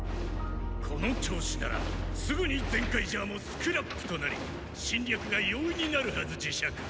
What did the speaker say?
この調子ならすぐにゼンカイジャーもスクラップとなり侵略が容易になるはずジシャク。